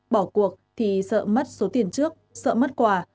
bỏ cuộc thì sợ mất số tiền trước sợ mất quà